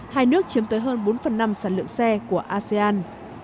hai nước chiếm tới hơn bốn phần năm sản lượng xe của asean